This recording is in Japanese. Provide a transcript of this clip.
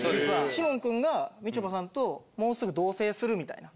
士門くんがみちょぱさんともうすぐ同棲するみたいな。